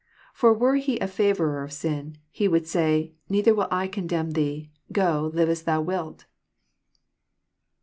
For were He a favonrer of sin. He would say, neither will I condemn thee, go, li^e^ thou wilt."